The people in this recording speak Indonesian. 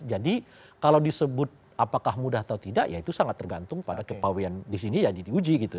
jadi kalau disebut apakah mudah atau tidak ya itu sangat tergantung pada kepawinan di sini ya jadi uji gitu